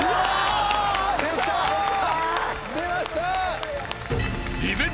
出ました！